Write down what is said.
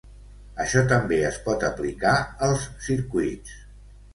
Això també es pot aplicar als circuits.